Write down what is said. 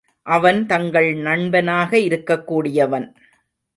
அவன் தங்கள் நண்பனாக இருக்கக் கூடியவன்.